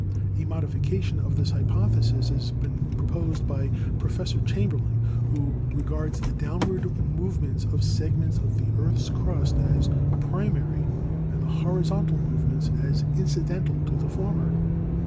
A modification of this hypothesis has been proposed by Professor Chamberlin, who regards the downward movements of segments of the earth's crust as primary and the horizontal movements as incidental to the former.